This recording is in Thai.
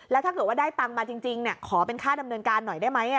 แล้วถ้าเกิดว่าได้ตำมาจริงจริงเนี้ยขอเป็นค่าดำเนินการหน่อยได้ไหมอ่ะ